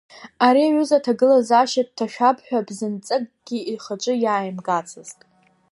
Ари аҩыза аҭагылазаашьа дҭашәап ҳәа бзанҵыкгьы ихаҿы иааимгацызт.